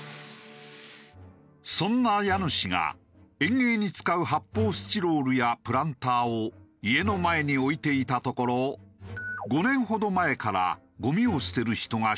そんな家主が園芸に使う発泡スチロールやプランターを家の前に置いていたところ５年ほど前からゴミを捨てる人が出現。